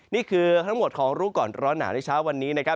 นี่คือทั้งหมดของรู้ก่อนร้อนหนาวในเช้าวันนี้นะครับ